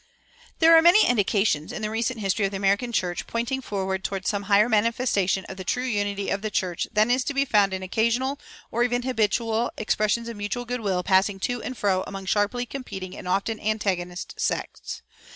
"[405:1] There are many indications, in the recent history of the American church, pointing forward toward some higher manifestation of the true unity of the church than is to be found in occasional, or even habitual, expressions of mutual good will passing to and fro among sharply competing and often antagonist sects.